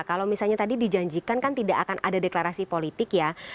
kalau misalnya tadi dijanjikan kan tidak akan ada deklarasi politik ya